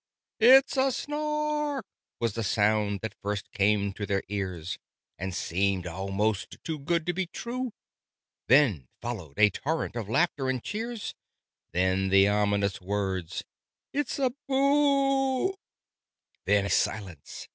"It's a Snark!" was the sound that first came to their ears, And seemed almost too good to be true. Then followed a torrent of laughter and cheers: Then the ominous words "It's a Boo " Then, silence.